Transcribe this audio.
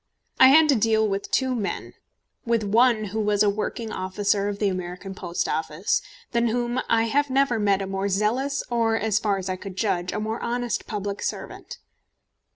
I had to deal with two men, with one who was a working officer of the American Post Office, than whom I have never met a more zealous, or, as far as I could judge, a more honest public servant.